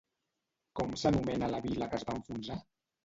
Com s'anomena la vila que va enfonsar?